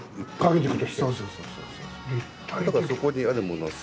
だからそこにあるものは全て。